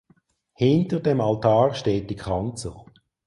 Hinter dem Altar steht die Kanzel.